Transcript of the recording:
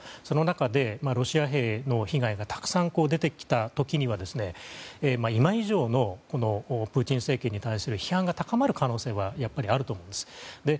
その中でロシア兵の被害がたくさん出てきた時には今以上のプーチン政権に対する批判が高まる可能性はやっぱりあると思うんです。